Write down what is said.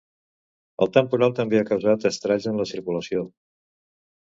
El temporal també ha causat estralls en la circulació.